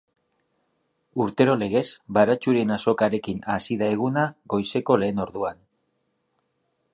Urtero legez baratxurien azokarekin hasi da eguna goizeko lehen orduan.